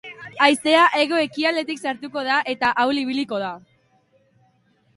Haizea hego-ekialdetik sartuko da eta ahul ibiliko da.